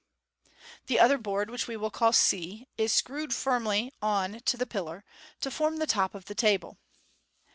The other board, which we will call c, is screwed firmly on to the pillar, to form the top of the table.